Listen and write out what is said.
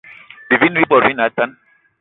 Bivini bi bot bi ne atane